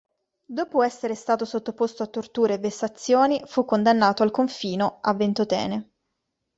Dopo essere stato sottoposto a torture e vessazioni, fu condannato al confino a Ventotene.